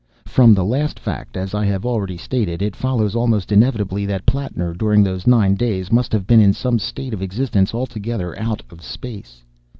From the last fact, as I have already stated, it follows almost inevitably that Plattner, during those nine days, must have been in some state of existence altogether out of space.